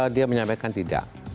dia menyampaikan tidak